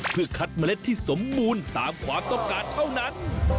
เพื่อคัดเมล็ดที่สมบูรณ์ตามความต้องการเท่านั้น